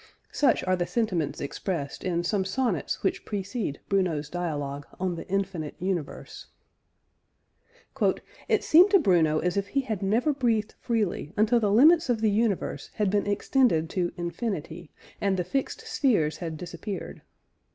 Such are the sentiments expressed in some sonnets which precede Bruno's dialogue "On the Infinite Universe." "It seemed to Bruno as if he had never breathed freely until the limits of the universe had been extended to infinity, and the fixed spheres had disappeared.